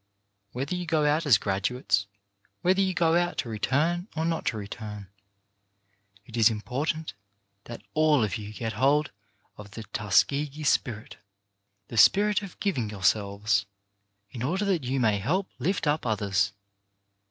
Whether you go out as graduates, whether you go out to return or not to return, it is important that all of you get hold of the "Tuskegee spirit"; the spirit of giving yourselves, in order that you may help lift up others.